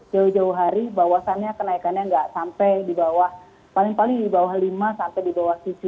jauh jauh hari bahwasannya kenaikannya nggak sampai di bawah paling paling di bawah lima sampai di bawah tujuh